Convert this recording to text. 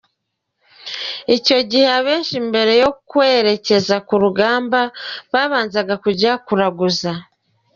Icyo gihe abenshi mbere yo kwerekeza ku rugamba babanzaga kujya kuraguza.